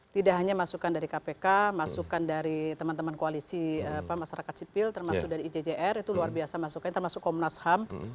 tidak hanya masukan dari kpk masukan dari teman teman koalisi masyarakat sipil termasuk dari ijjr itu luar biasa masukan termasuk komnas ham